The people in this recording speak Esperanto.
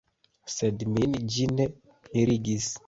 Sed min ĝi ne mirigis.